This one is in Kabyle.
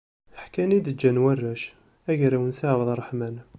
Ḥkan i d-ǧǧan warrac, agraw n Si Ɛebdrreḥman.